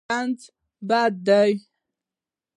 رنځ بد دی.